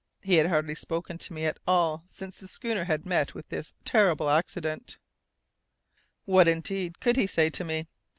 He had hardly spoken to me at all since the schooner had met with this terrible accident. What indeed could he say to me?